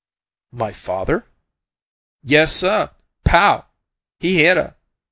"My father?" "YESsuh! POW! he hit 'er!